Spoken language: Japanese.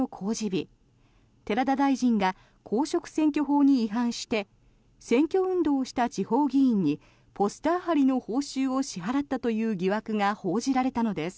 日寺田大臣が公職選挙法に違反して選挙運動をした地方議員にポスター貼りの報酬を支払ったという疑惑が報じられたのです。